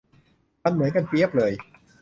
มันเหมือนกันเปี๊ยบเลย